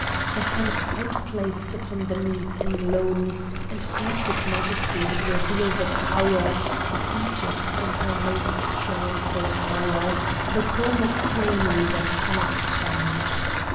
The hands outplaced upon the knees in lone And placid majesty reveal the power Of Egypt in her most triumphal hour, The calm of tyranny that cannot change.